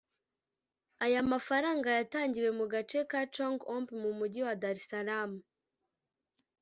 Aya mafranga yatangiwe mu gace ka Chang’ombe mu mujyi wa Dar es Salaam